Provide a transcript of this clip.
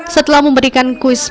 setelah memberikan kuis penelitian